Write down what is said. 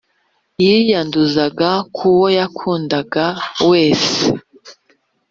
Yiyanduzaga ku uwo yakundaga wese